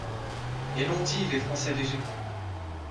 Et l’on dit les Français légers!